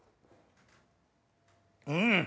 うん！